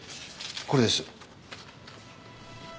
これです。